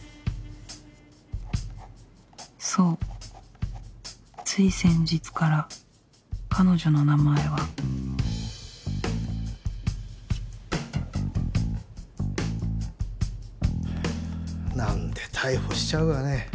そうつい先日から彼女の名前はなんで逮捕しちゃうかね。